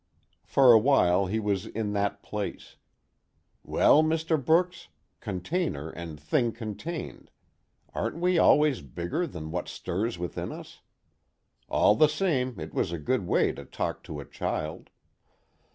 For a while he was in that place: _Well, Mr. Brooks, "container and thing contained": aren't we always bigger than what stirs within us? All the same it was a good way to talk to a child.